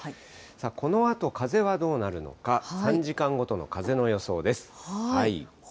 このあと、風はどうなるのか、３時間ごとの風の予想です。